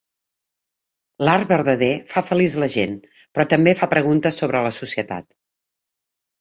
L'art verdader fa feliç la gent, però també fa preguntes sobre la societat.